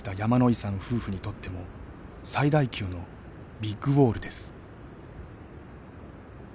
夫婦にとっても最大級のビッグウォールです。